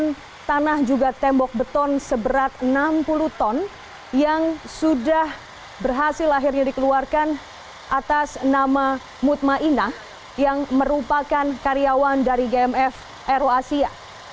dan tanah juga tembok beton seberat enam puluh ton yang sudah berhasil akhirnya dikeluarkan atas nama mutma'inah yang merupakan karyawan dari gmf aero asia